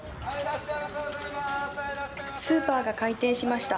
スーパーが開店しました。